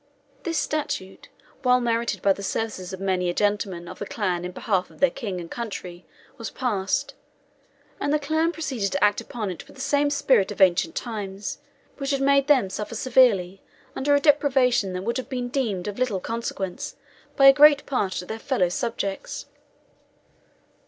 This statute, well merited by the services of many a gentleman of the clan in behalf of their King and country, was passed, and the clan proceeded to act upon it with the same spirit of ancient times, which had made them suffer severely under a deprivation that would have been deemed of little consequence by a great part of their fellow subjects.